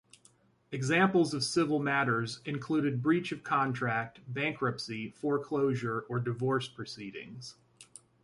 Examples of civil matters included breach of contract, bankruptcy, foreclosure or divorce proceedings.